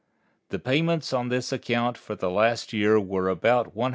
The payments on this account for the last year were about $140,000,000.